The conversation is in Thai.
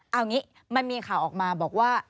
เอางี้มันมีข่าวออกมาบอกว่า